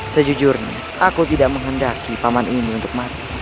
sejujurnya aku tidak menghendaki paman ini untuk mati